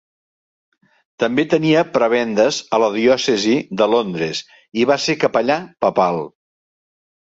També tenia prebendes a la diòcesi de Londres i va ser capellà papal.